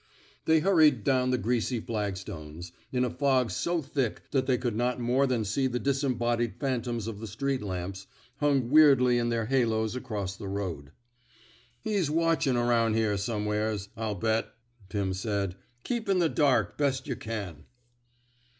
They hurried down the greasy flagstones, in a fog so thick that they could not more than see the disembodied phantoms of the street lamps, hung weirdly in their halos across the road. He's watchin' aroun' here somewheres, I'll bet," Pim said. Keep in the dark best yuh can."